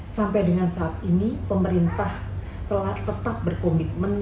sampai dengan saat ini pemerintah telah tetap berkomitmen